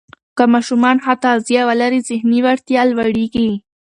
که ماشومان ښه تغذیه ولري، ذهني وړتیا لوړېږي.